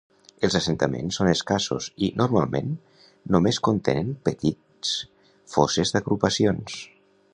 Els assentaments són escassos i, normalment, només contenen petits fosses d'agrupacions.